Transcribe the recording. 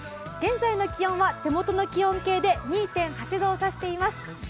現在の気温は手元の気温計で２．８度を指しています。